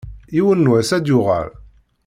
Yiwen n wass ad d-yuɣal.